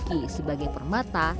kita pindah ke sana